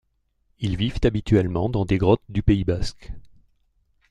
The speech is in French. Ils vivent habituellement dans des grottes du Pays basque.